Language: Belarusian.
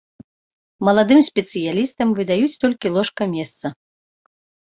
Маладым спецыялістам выдаюць толькі ложка-месца.